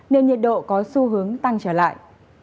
nên nhiệt độ có xu hướng tăng trở lại